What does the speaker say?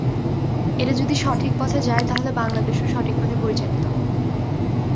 এটা যদি সঠিক পথে যায়, তাহলে বাংলাদেশও সঠিক পথে পরিচালিত হবে।